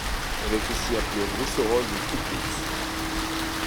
Elle est aussi appelée rousserolle de Kittlitz.